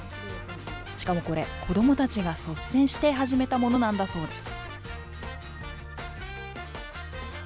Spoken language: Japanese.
しかもこれ、子どもたちが率先して始めたものなんだそうです。